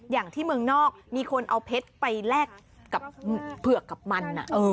อย่างที่เมืองนอกมีคนเอาเพชรไปแลกกับเผือกกับมัน